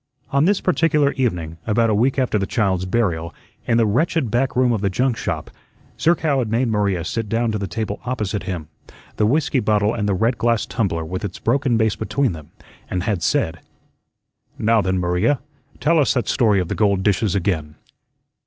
On this particular evening, about a week after the child's burial, in the wretched back room of the Junk shop, Zerkow had made Maria sit down to the table opposite him the whiskey bottle and the red glass tumbler with its broken base between them and had said: "Now, then, Maria, tell us that story of the gold dishes again."